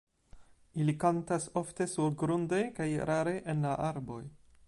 Ili kantas ofte surgrunde kaj rare en la arboj.